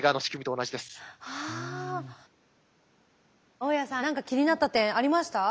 大屋さん何か気になった点ありました？